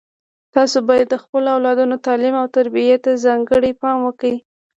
تاسو باید د خپلو اولادونو تعلیم او تربیې ته ځانګړی پام وکړئ